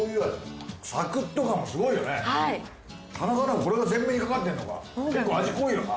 田中のはこれが全面にかかってんのか結構味濃いよな。